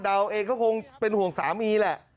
เองก็คงเป็นห่วงสามีแหละ